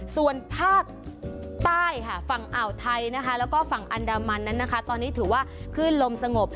ส่วนภาคใต้ค่ะฝั่งอ่าวไทยนะคะแล้วก็ฝั่งอันดามันนั้นนะคะตอนนี้ถือว่าขึ้นลมสงบ